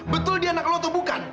betul dia anak lu atau bukan